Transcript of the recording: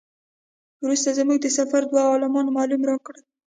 وروسته زموږ د سفر دوو عالمانو معلومات راکړل.